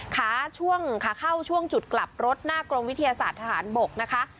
ขาช่วงขาเข้าช่วงจุดกลับรถหน้ากรมวิทยาศาสตร์ทหารบกนะคะ